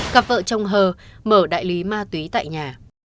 cặp vợ chồng hờ mở đại lý ma túy tại nhà